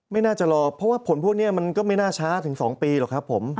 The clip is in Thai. ไม่น่าจะรอเพราะว่าผลพวกนี้มันก็ไม่น่าช้าถึง๒ปีหรอกครับผม